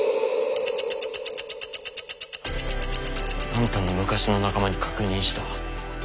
あんたの昔の仲間に確認した。